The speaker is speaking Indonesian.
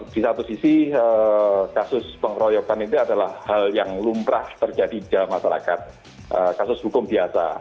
di satu sisi kasus pengeroyokan ini adalah hal yang lumrah terjadi di masyarakat kasus hukum biasa